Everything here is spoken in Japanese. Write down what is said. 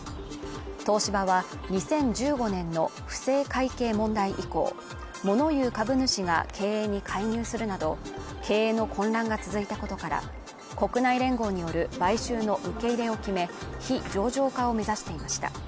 東芝は２０１５年の不正会計問題以降物言う株主が経営に介入するなど経営の混乱が続いたことから国内連合による買収の受け入れを決め非上場化を目指していました